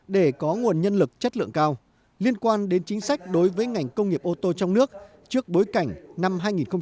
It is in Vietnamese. để có nguồn nhân lực chất lượng cao liên quan đến chính sách đối với ngành công nghiệp ô tô trong nước trước bối cảnh năm hai nghìn hai mươi